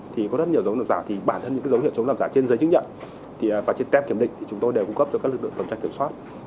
thì có rất nhiều dấu hiệu chức nhận giả thì bản thân những dấu hiệu chức nhận giả trên giấy chức nhận và trên tem kiểm định thì chúng tôi đều cung cấp cho các lực lượng tổn trạng kiểm soát